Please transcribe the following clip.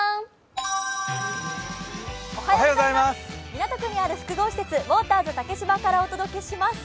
港区にある複合施設、ウォーターズ竹芝からお届けします。